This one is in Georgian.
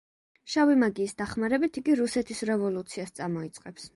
შავი მაგიის დახმარებით იგი რუსეთის რევოლუციას წამოიწყებს.